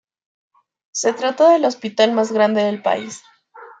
Se trata del hospital más grande del país.